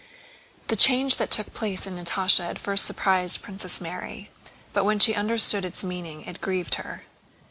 The change that took place in Natásha at first surprised Princess Mary; but when she understood its meaning it grieved her.